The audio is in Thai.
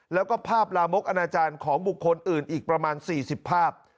แล้วก็ภาพลามกอนาจารย์ของบุคคลอื่นอีกประมาณ๔๐ภาพ